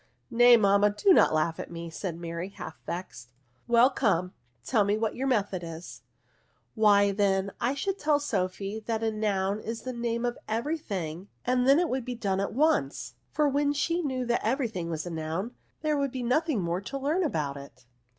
" Nay, mamma, do not laugh at me," said Mary, half vexed. " Well, come, tell me what your method is ?*'" Why, then, I should tell Sophy that a noun is the name of every thing, and then it would be done at once ; for when she knew that every thing was a noun, there would be nothing more to learn about it."